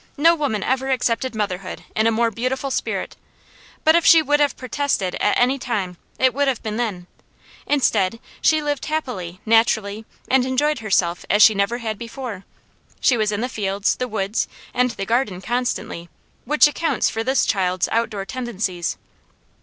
No woman ever accepted motherhood in a more beautiful spirit; but if she would have protested at any time, it would have been then. Instead, she lived happily, naturally, and enjoyed herself as she never had before. She was in the fields, the woods, and the garden constantly, which accounts for this child's outdoor tendencies.